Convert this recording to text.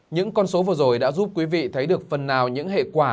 những con số vừa rồi đã giúp quý vị thấy được phần nào những hệ quả